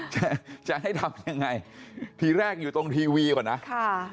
จะจะให้ทำยังไงทีแรกอยู่ตรงทีวีก่อนนะค่ะ